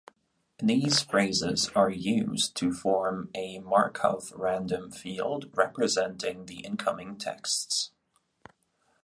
These phrases are used to form a Markov Random Field representing the incoming texts.